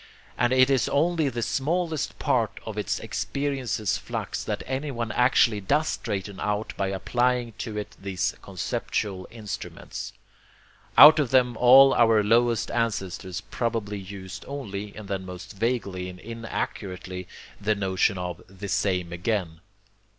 And it is only the smallest part of his experience's flux that anyone actually does straighten out by applying to it these conceptual instruments. Out of them all our lowest ancestors probably used only, and then most vaguely and inaccurately, the notion of 'the same again.'